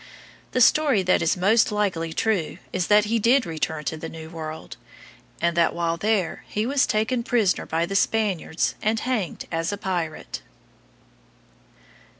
The story that is most likely true is that he did return to the New World, and that while there he was taken prisoner by the Spaniards and hanged as a pirate.